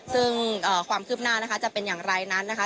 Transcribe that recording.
ซึ่งความคืบหน้านะคะจะเป็นอย่างไรนั้นนะคะ